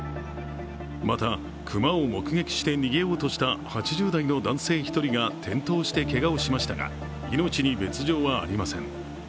また、熊を目撃して逃げようとした８０代の男性１人が転倒してけがをしましたが、命に別状はありません。